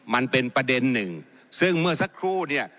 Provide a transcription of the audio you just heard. มันเป็นประเด็นหนึ่งซึ่งเมื่อสักครู่เนี่ย